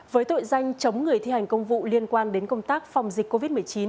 với tội danh chống người thi hành công vụ liên quan đến công tác phòng dịch covid một mươi chín